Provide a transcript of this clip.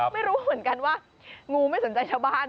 ไม่รู้เหมือนกันว่างูไม่สนใจชาวบ้าน